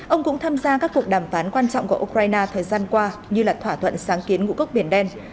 ông cũng tham gia các cuộc đàm phán quan trọng của ukraine thời gian qua như là thỏa thuận sáng kiến ngũ cốc biển đen